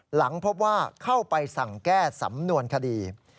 หลังพบว่าเข้าไปสั่งแก้สำนวนคดี